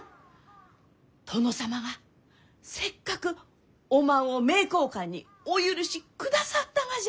殿様がせっかくおまんを名教館にお許しくださったがじゃ！